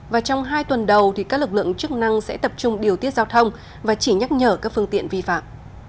và trong hai tuần đầu các lực lượng chức năng sẽ tập trung điều tiết giao thông và chỉ nhắc nhở các phương tiện vi phạm